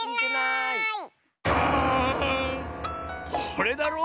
これだろ。